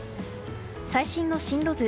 最新の進路図。